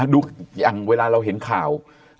ดูอย่างเวลาเราเห็นข่าว